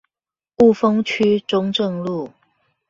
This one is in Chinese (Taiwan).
霧峰區中正路